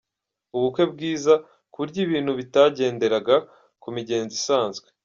Ubukwe bwiza, ku buryo ibintu bitagenderaga ku migenzo isanzwe.